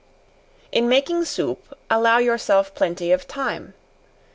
In making soup, allow yourself plenty of time.